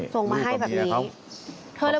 ส่งมาให้แบบนี้